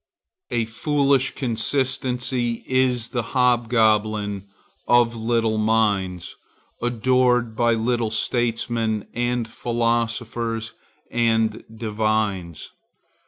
A foolish consistency is the hobgoblin of little minds, adored by little statesmen and philosophers and divines.